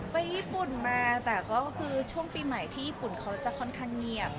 ไปญี่ปุ่นมาแต่ก็คือช่วงปีใหม่ที่ญี่ปุ่นเขาจะค่อนข้างเงียบ